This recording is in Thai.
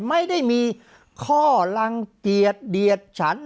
ไม่ได้มีข้อลังเกียจเดียดฉัน